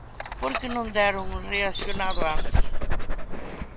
¿Por que non deron reaccionado antes?